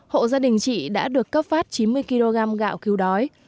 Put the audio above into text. hộ gia đình chị đã được cấp phát chín mươi kg gạo cứu đói